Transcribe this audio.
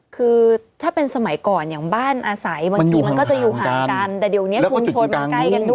คือถ้าเป็นสมัยก่อนอย่างบ้านอาศัยมันอยู่ห่างกัน